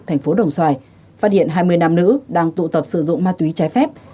tp đồng xoài phát hiện hai mươi nam nữ đang tụ tập sử dụng ma túy trái phép